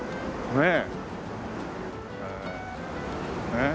ねえ。